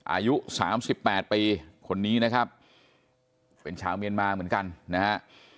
อายุ๓๘ปีคนนี้นะครับเป็นชาวเมียนมาเหมือนกันนะฮะ